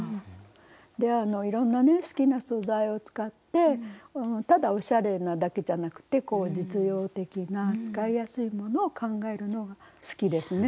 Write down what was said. でいろんなね好きな素材を使ってただおしゃれなだけじゃなくて実用的な使いやすいものを考えるのが好きですね。